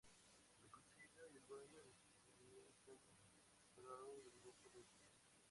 La cocina y baño en su generalidad están separados del grupo de habitaciones.